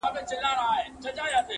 ورک له نورو ورک له ځانه.!